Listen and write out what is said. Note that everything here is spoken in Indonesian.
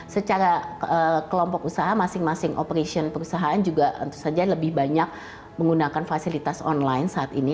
secara kelompok usaha masing masing operation perusahaan juga tentu saja lebih banyak menggunakan fasilitas online saat ini